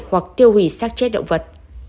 hoặc tiêu hủy rác chết động vật